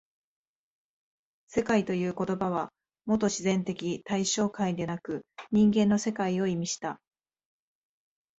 「世界」という言葉はもと自然的対象界でなく人間の世界を意味した。